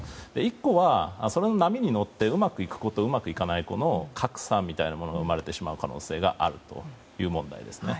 １個はその波に乗ってうまくいく子と、いかない子の格差みたいなものが生まれてしまう可能性があるという問題ですね。